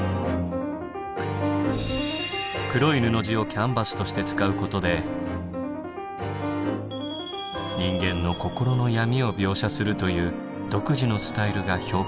黒い布地をキャンバスとして使うことで人間の心の闇を描写するという独自のスタイルが評価されています。